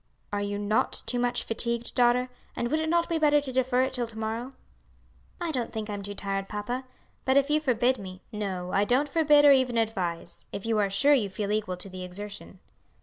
"Are you not too much fatigued, daughter? and would it not be better to defer it till to morrow?" "I don't think I'm too tired, papa; but if you forbid me " "No, I don't forbid or even advise, if you are sure you feel equal to the exertion."